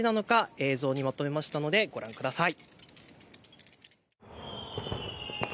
映像にまとめましたのでご覧ください。